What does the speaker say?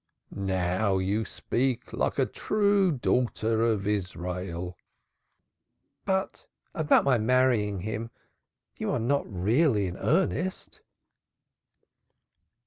"Now you speak like a true daughter of Israel." "But about my marrying him you are not really in earnest?"